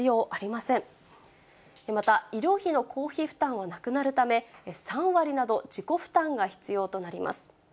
また医療費の公費負担はなくなるため、３割など、自己負担が必要となります。